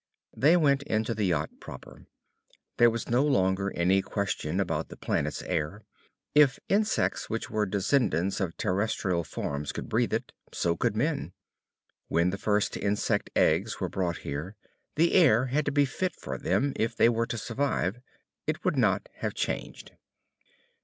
They went into the yacht proper. There was no longer any question about the planet's air. If insects which were descendents of terrestrial forms could breathe it, so could men. When the first insect eggs were brought here, the air had to be fit for them if they were to survive. It would not have changed.